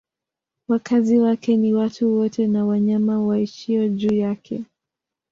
Wakazi wake ni watu wote na wanyama waishio juu yake.